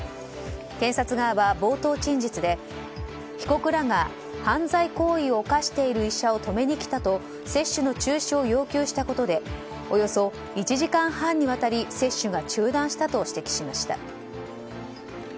検察側は、冒頭陳述で被告らが犯罪行為を犯している医者を止めに来たと接種の中止を要求したことでおよそ１時間半にわたり接種が中断したと指摘しました。